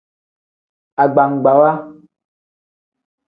Agbagbawa.